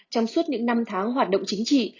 trong suốt những năm tháng hoạt động chính trị